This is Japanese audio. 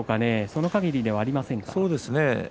そのかぎりではありませんか？